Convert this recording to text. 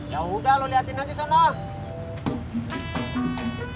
yaudah lu liatin aja sana